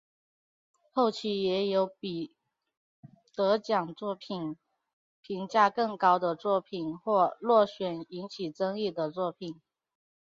后期也有比得奖作品评价更高的作品或落选引起争议的作品。